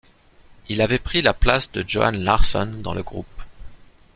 Il avait pris la place de Johan Larsson dans le groupe.